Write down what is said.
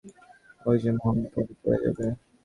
ও যে মহা বিপদে পড়ে যাবে।